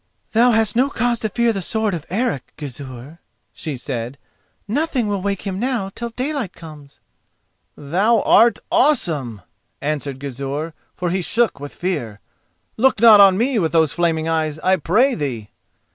"Thou hast no cause to fear the sword of Eric, Gizur," she said. "Nothing will wake him now till daylight comes." "Thou art awesome!" answered Gizur, for he shook with fear. "Look not on me with those flaming eyes, I pray thee!"